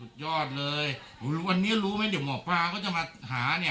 ยอดเลยวันนี้รู้ไหมเดี๋ยวหมอปลาเขาจะมาหาเนี่ย